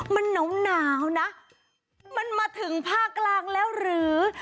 มันหนาวนะมันมาถึงภาคกลางแล้วหรือ